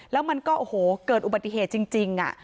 แล้วมันก็โอ้โหเกิดอุบัติเหตุจริง